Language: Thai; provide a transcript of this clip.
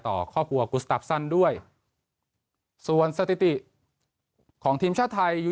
ต่อครอบครัวกุสตับซันด้วยส่วนสถิติของทีมชาติไทยอยู่